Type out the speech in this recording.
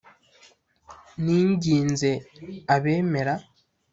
Ninginze abemera